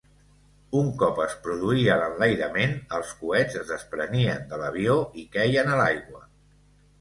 Un cop es produïa l'enlairament, els coets es desprenien de l'avió i queien a l'aigua.